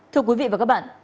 thưa quý vị và các bạn